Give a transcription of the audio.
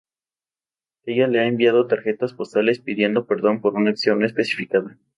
Ella le ha enviado tarjetas postales pidiendo perdón por una acción no especificada.